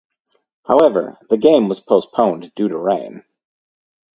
However, the game was postponed due to rain.